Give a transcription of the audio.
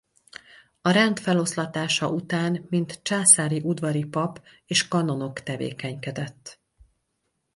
A rend feloszlatása után mint császári udvari pap és kanonok tevékenykedett.